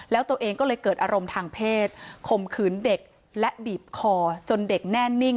แล้วตัวเองก็เลยเกิดอารมณ์ทางเพศข่มขืนเด็กและบีบคอจนเด็กแน่นิ่ง